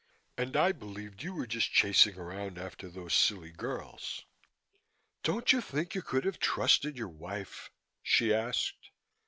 And I believed you were just chasing around after those silly girls. Don't you think you could have trusted your wife?" she asked.